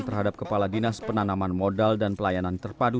terhadap kepala dinas penanaman modal dan pelayanan terpadu